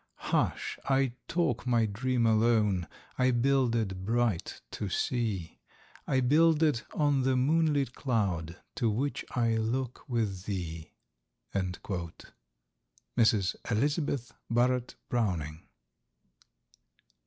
Hush! I talk my dream alone: I build it bright to see; I build it on the moon lit cloud, To which I look with thee!" Mrs E. B. BROWNING.